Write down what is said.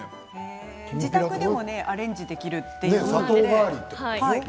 自宅でもアレンジできるということですよね。